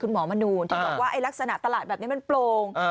หมอมนูนที่บอกว่าลักษณะตลาดแบบนี้มันโปร่ง